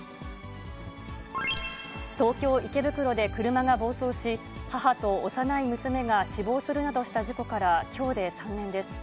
東京・池袋で車が暴走し、母と幼い娘が死亡するなどした事故からきょうで３年です。